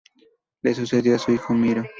Le sucedió su hijo Miro.